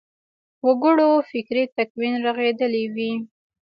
وګړو فکري تکوین رغېدلی وي.